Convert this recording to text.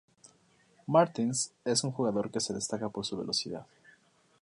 Martins es un jugador que se destaca por su velocidad.